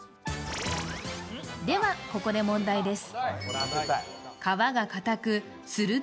では、ここで問題です。